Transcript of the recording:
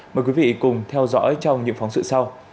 mời quý vị cùng theo dõi trong những phóng sự sau